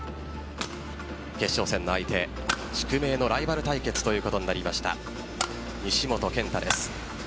決勝戦の相手宿命のライバル対決ということになりました西本拳太です。